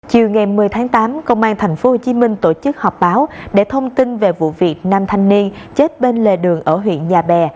chiều ngày một mươi tháng tám công an thành phố hồ chí minh tổ chức họp báo để thông tin về vụ việc năm thanh niên chết bên lề đường ở huyện nhà bè